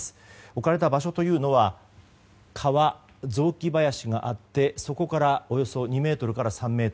置かれた場所というのは川、雑木林があってそこからおよそ２ｍから３ｍ。